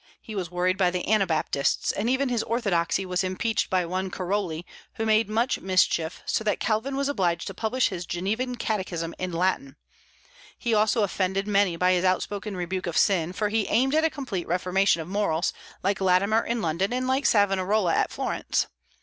He was worried by the Anabaptists; and even his orthodoxy was impeached by one Coroli, who made much mischief, so that Calvin was obliged to publish his Genevan Catechism in Latin. He also offended many by his outspoken rebuke of sin, for he aimed at a complete reformation of morals, like Latimer in London and like Savonarola at Florence.